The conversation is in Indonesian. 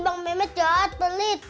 bang mehmet jahat belit